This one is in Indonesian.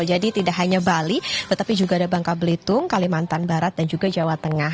jadi tidak hanya bali tetapi juga ada bangka belitung kalimantan barat dan juga jawa tengah